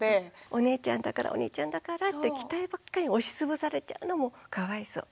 お姉ちゃんだからお兄ちゃんだからって期待ばっかり押し潰されちゃうのもかわいそう。